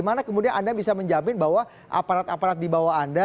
mana kemudian anda bisa menjamin bahwa aparat aparat di bawah anda